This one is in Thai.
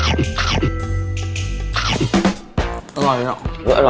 อร่อยจริงหรอ